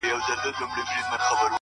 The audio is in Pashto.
• خو له بده مرغه ,